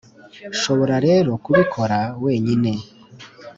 nshobora rero kubikora wenyine.